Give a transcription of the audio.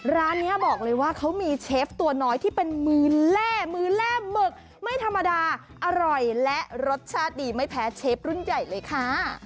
ร้านนี้บอกเลยว่าเขามีเชฟตัวน้อยที่เป็นมือแล่มือแร่หมึกไม่ธรรมดาอร่อยและรสชาติดีไม่แพ้เชฟรุ่นใหญ่เลยค่ะ